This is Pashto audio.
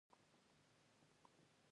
استاد د شاګرد د فکر جوړوونکی دی.